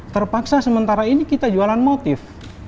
terpaksa sementara ini kita jualan motif